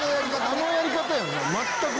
あのやり方や。